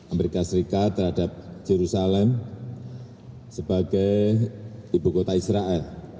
amerika serikat terhadap jerusalem sebagai ibu kota israel